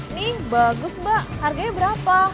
nih bagus mbak harganya berapa